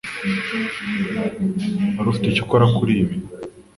Wari ufite icyo ukora kuri ibi?